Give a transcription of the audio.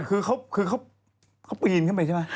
คือเขาปีนขึ้นไปใช่ไหม